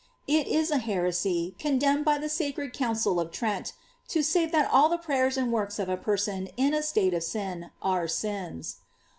It is a heresy, condemned by the sa cred Council of Trent, to say that all the pray ers and works of a person in a state of sin are sins.